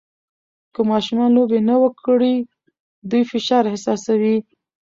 که ماشومان لوبې نه وکړي، دوی فشار احساسوي.